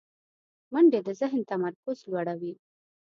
منډه د ذهن تمرکز لوړوي